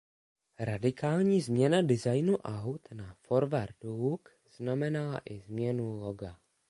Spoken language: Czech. Radikální změna designu aut na „Forward Look“ znamenala i změnu loga.